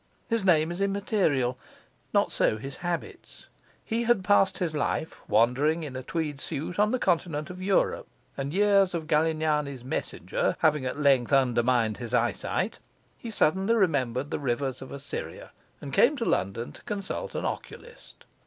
His name is immaterial, not so his habits. He had passed his life wandering in a tweed suit on the continent of Europe; and years of Galignani's Messenger having at length undermined his eyesight, he suddenly remembered the rivers of Assyria and came to London to consult an oculist.